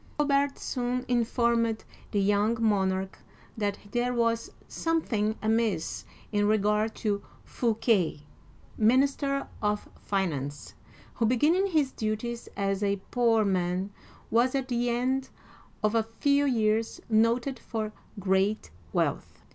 Colbert soon informed the young monarch that there was something amiss in regard to Fouquet (foo ke'), minister of finance, who, beginning his duties as a poor man, was at the end of a few years noted for great wealth.